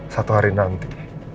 satu hari nanti